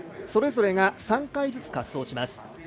それぞれ３回ずつ滑走します。